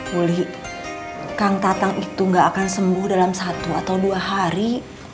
buli kang tatang itu gak akan sembuh dalam satu atau dua hari